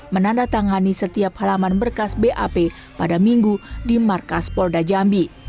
menandatangani setiap halaman berkas bap pada minggu di markas polda jambi